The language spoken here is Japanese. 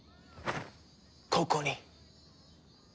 ここに。